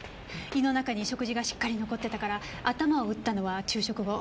胃の中に食事がしっかり残ってたから頭を打ったのは昼食後。